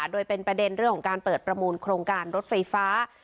โดยเป็นประเด็นเรื่องของการเปิดประมูลโครงการรถไฟฟ้า